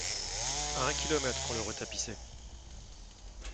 À un kilomètre, qu’on le retapissait !